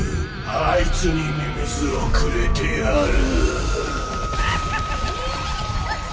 あいつにミミズをくれてやる。